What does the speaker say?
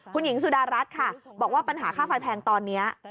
คุณหญิงสุดารัฐค่ะบอกว่าปัญหาค่าไฟแพงตอนนี้